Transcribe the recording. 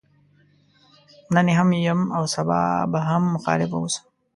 نن يې هم يم او سبا به هم مخالف واوسم.